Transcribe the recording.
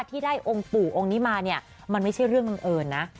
ที่ได้องค์ปู่องค์นี้มาเนี่ยมันไม่ใช่เรื่องบังเอิญนะ